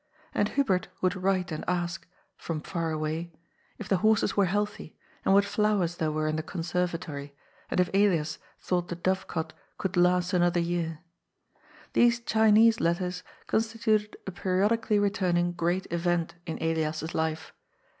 And Hubert would write and ask — ^from faraway — if the horses were healthy, and what flowers there were in the conservatory, and if Elias thought the dovecot could last another year. These Chinese letters constituted a periodically returning Great Event in Elias's life.